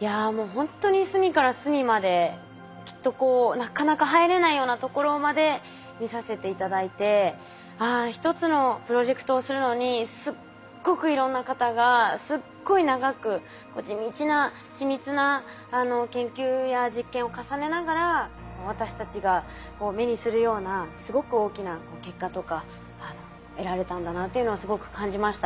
いやもうほんとに隅から隅まできっとなかなか入れないようなところまで見させて頂いてああ一つのプロジェクトをするのにすっごくいろんな方がすっごい長く地道な緻密な研究や実験を重ねながら私たちが目にするようなすごく大きな結果とか得られたんだなっていうのをすごく感じました。